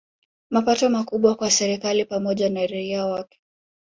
Mapato makubwa kwa serikali pamoja na raia wake